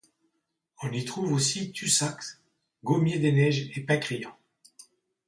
On y trouve aussi tussacks, gommiers des neiges et pins crayons.